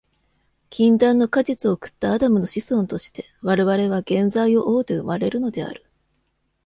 禁断の果実を食ったアダムの子孫として、我々は原罪を負うて生まれるのである。